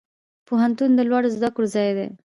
پوهنتون د لوړو زده کړو ځای دی